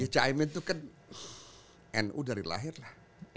ya cak imin tuh kan nu dari lahir lah